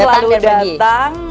godaan selalu datang